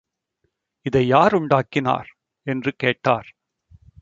இதை யார் உண்டாக்கினார்? என்று கேட்டார்.